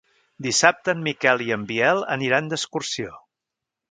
Dissabte en Miquel i en Biel aniran d'excursió.